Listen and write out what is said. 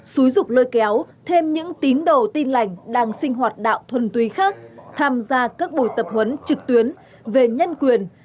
xúi dục lôi kéo thêm những tín đồ tin lành đang sinh hoạt đạo thuần túy khác tham gia các buổi tập huấn trực tuyến về nhân quyền